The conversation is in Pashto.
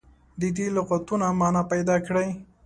د دې لغتونو معنا پیداکړي.